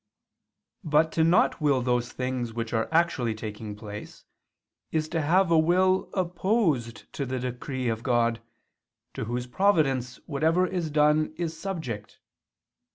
But not to will those things which are actually taking place, is to have a will opposed to the decree of God, to Whose providence whatever is done is subject.